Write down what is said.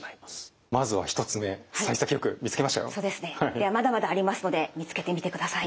ではまだまだありますので見つけてみてください。